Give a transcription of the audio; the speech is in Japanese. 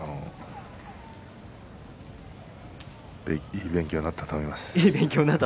いい勉強になったと思います。